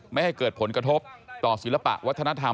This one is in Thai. ไม่ให้เกิดผลกระทบต่อศิลปะวัฒนธรรม